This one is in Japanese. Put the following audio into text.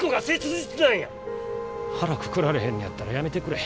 腹くくられへんのやったら辞めてくれ。